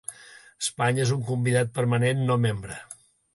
Espanya és un convidat permanent no membre.